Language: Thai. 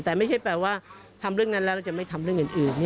แต่ไม่ใช่แปลว่าทำเรื่องนั้นแล้วเราจะไม่ทำเรื่องอื่น